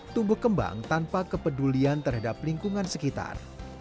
tumbuh kembang tanpa kepedulian terhadap lingkungan sekitar